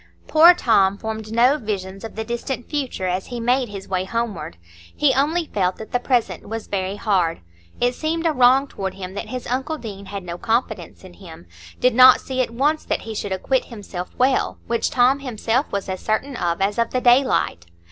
Poor Tom formed no visions of the distant future as he made his way homeward; he only felt that the present was very hard. It seemed a wrong toward him that his uncle Deane had no confidence in him,—did not see at once that he should acquit himself well, which Tom himself was as certain of as of the daylight.